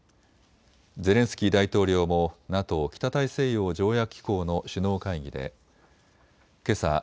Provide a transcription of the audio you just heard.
ゼレンスキー大統領もＮＡＴＯ・北大西洋条約機構の首脳会議でけさ